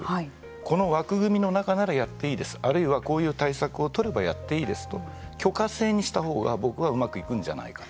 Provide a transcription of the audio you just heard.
この枠組みの中ならやっていいですとあるいはこういう対策を取ればやっていいですと許可制にしたほうが僕は、うまくいくんじゃないかと。